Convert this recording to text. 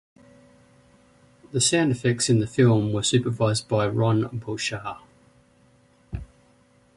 The sound effects in the film were supervised by Ron Bochar.